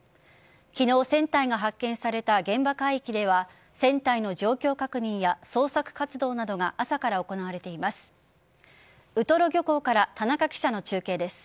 昨日、船体が発見された現場海域では船体の状況確認や捜索活動などが朝から行われています。